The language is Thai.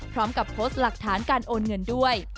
พร้อมกับโพสต์หลักฐานการโอนเงินด้วย